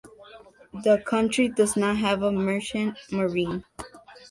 The country does not have a merchant marine.